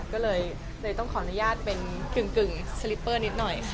ก็เลยต้องขออนุญาตเป็นกึ่งสลิปเปอร์นิดหน่อย